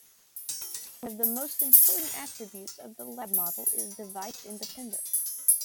One of the most important attributes of the Lab model is device independence.